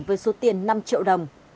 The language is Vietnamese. với số tiền năm triệu đồng